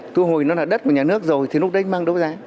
thu hồi nó là đất của nhà nước rồi thì lúc đấy mang đấu giá